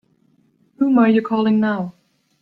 Whom are you calling now?